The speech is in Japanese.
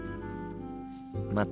また。